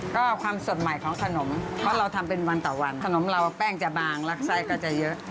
ก็ความสดใหม่ของขนมเพราะเราทำเป็นวันต่อวันขนมเราแป้งจะบางรักไส้ก็จะเยอะ